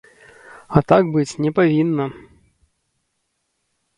А так быць не павінна!